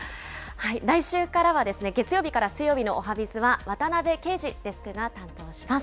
来週からは、月曜日から水曜日のおはＢｉｚは、わたなべけいじデスクが担当します。